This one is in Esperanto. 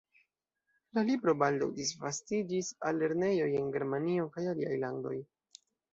La libro baldaŭ disvastiĝis al lernejoj en Germanio kaj aliaj landoj.